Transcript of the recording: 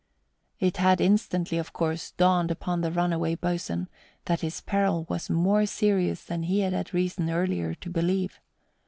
It had instantly, of course, dawned upon the runaway boatswain that his peril was more serious than he had had reason earlier to believe.